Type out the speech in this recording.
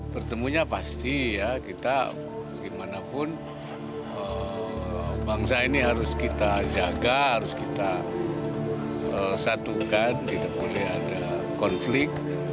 bertemunya pasti ya kita bagaimanapun bangsa ini harus kita jaga harus kita satukan tidak boleh ada konflik